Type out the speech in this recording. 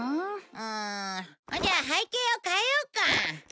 うんじゃあ背景を変えようか。